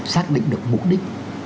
xác định được mục đích